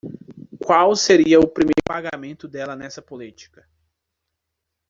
Qual seria o primeiro pagamento dela nessa política?